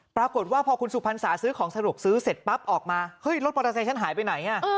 ปรากฏว่าพอคุณสุพรรษาซื้อของสะดวกซื้อเสร็จปั๊บออกมาเฮ้ยรถมอเตอร์ไซค์ฉันหายไปไหน